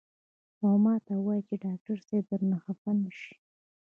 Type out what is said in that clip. او ماته وائي چې ډاکټر صېب درنه خفه نشي " ـ